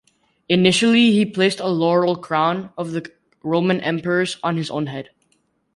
Initially he placed a laurel crown of the Roman emperors on his own head.